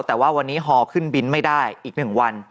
แต่ว่าวันนี้ฮอขึ้นบินไม่ได้อีก๑วัน